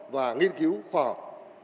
và nghiên cứu khoa học